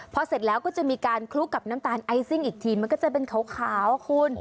พอเสร็จแล้วก็จะมีการคลุกกับน้ำตาลไอซิ่งอีกทีมันก็จะเป็นขาวคุณ